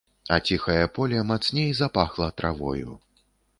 А ціхае поле мацней запахла травою.